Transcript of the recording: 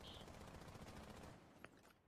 塞尔梅里厄。